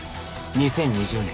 ２０２０年